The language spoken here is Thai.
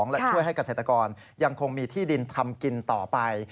และช่วยให้เกษตรกรยังคงมีที่ดินทำกินต่อไป